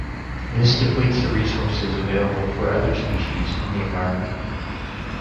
This depletes the resources available for other species in the environment.